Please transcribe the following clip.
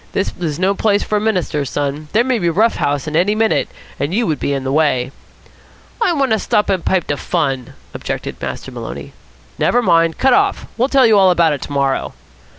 "This is no place for a minister's son. There may be a rough house in here any minute, and you would be in the way." "I want to stop and pipe de fun," objected Master Maloney. "Never mind. Cut off. We'll tell you all about it to morrow."